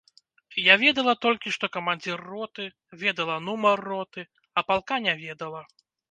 Я ведала толькі, што камандзір роты, ведала нумар роты, а палка не ведала.